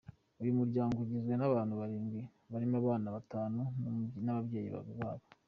Uyu muryango ugizwe n’abantu barindwi, barimo abana batanu n’ababyeyi babo.